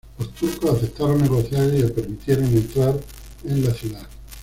Los turcos aceptaron negociar y le permitieron entrar en la ciudad.